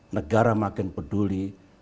negara makin peduli